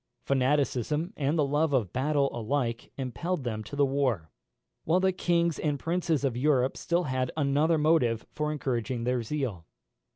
Fanaticism and the love of battle alike impelled them to the war, while the kings and princes of Europe had still another motive for encouraging their zeal.